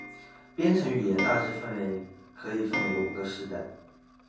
编程语言大致可以分为五个世代。